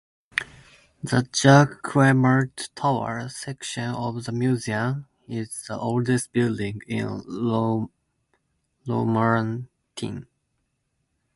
The Jacquemart Tower section of the museum is the oldest building in Romorantin.